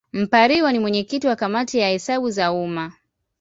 Mpariwa ni mwenyekiti wa Kamati ya Hesabu za Umma.